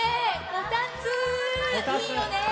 「こたつ」いいよね。